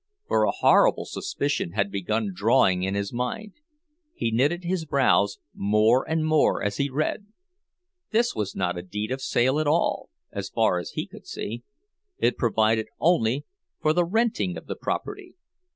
For a horrible suspicion had begun dawning in his mind; he knitted his brows more and more as he read. This was not a deed of sale at all, so far as he could see—it provided only for the renting of the property!